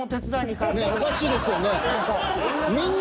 おかしいですよね。